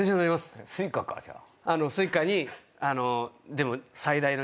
Ｓｕｉｃａかじゃあ。